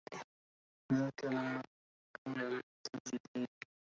ذاك مما لقين من دلج الليل